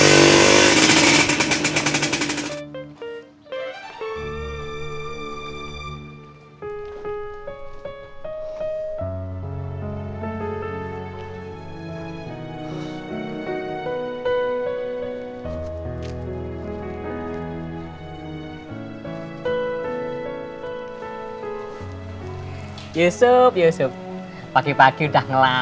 saya input ksat pocket memang peden cantik